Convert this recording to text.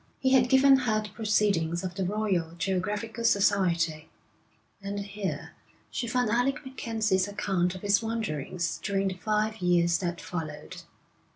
He had given her the proceedings of the Royal Geographical Society, and here she found Alec MacKenzie's account of his wanderings during the five years that followed.